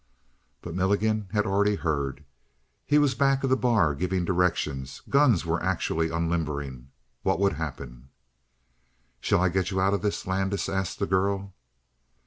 But Milligan had already heard; he was back of the bar giving directions; guns were actually unlimbering. What would happen? "Shall I get you out of this?" Landis asked the girl.